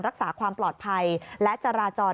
รักษาความปลอดภัยและจราจร